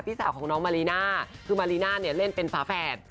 สาวของน้องมารีน่าคือมารีน่าเนี่ยเล่นเป็นฝาแฝด